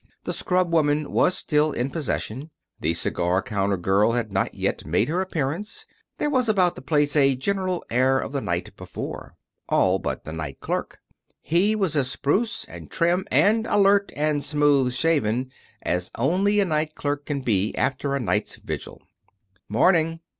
The scrub woman was still in possession. The cigar counter girl had not yet made her appearance. There was about the place a general air of the night before. All but the night clerk. He was as spruce and trim, and alert and smooth shaven as only a night clerk can be after a night's vigil. "'Morning!"